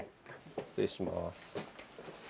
失礼します。